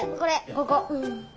ここ。